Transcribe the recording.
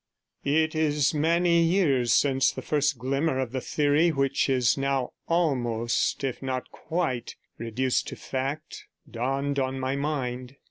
It is many years since the first glimmer of the theory which is now almost, if not quite, reduced to fact dawned on my mind.